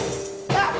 あっ！